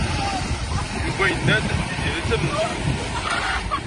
Yuba yenna-d Tiziri d tamenzugt.